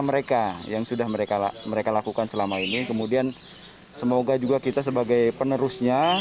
mereka yang sudah mereka mereka lakukan selama ini kemudian semoga juga kita sebagai penerusnya